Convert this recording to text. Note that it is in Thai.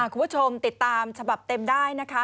คุณผู้ชมติดตามฉบับเต็มได้นะคะ